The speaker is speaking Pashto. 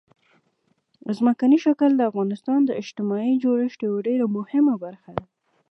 ځمکنی شکل د افغانستان د اجتماعي جوړښت یوه ډېره مهمه برخه ده.